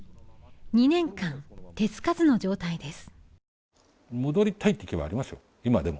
２年間、手つかずの状態です。